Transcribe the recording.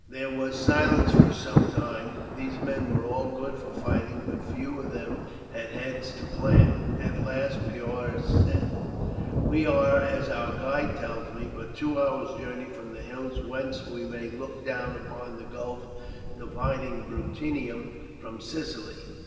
There was silence for some time. These men were all good for fighting, but few of them had heads to plan. At last Porus said: "We are, as our guide tells me, but two hours' journey from the hills whence we may look down upon the gulf dividing Bruttium from Sicily.